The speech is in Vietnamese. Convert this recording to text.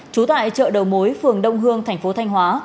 trú tại chợ đầu mối phường đông hương thành phố thanh hóa